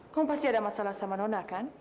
kok pasti ada masalah sama nona kan